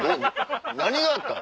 何があったん？